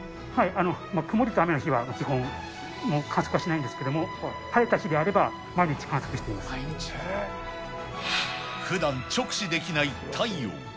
曇りと雨の日は、基本、観測はしないんですけれども、晴れた日であれば、毎日観測ふだん、直視できない太陽。